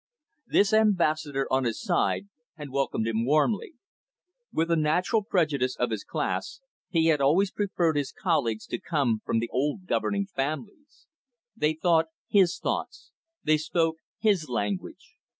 This Ambassador, on his side, had welcomed him warmly. With the natural prejudice of his class, he always preferred his colleagues to come from the old governing families; they thought his thoughts, they spoke his language.